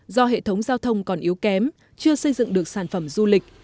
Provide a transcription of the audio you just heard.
do hệ thống giao thông còn yếu kém chưa xây dựng được sản phẩm du lịch